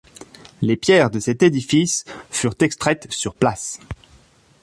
Les pierres de cet édifice furent extraites sur place.